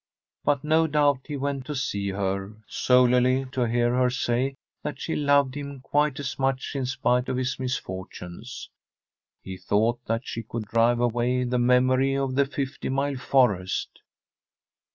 But no doubt he went to see her solely to hear her say that she loved him quite as much in spite of his misfortunes. He thought that she could drive away the memory of the Fifty Mile Forest.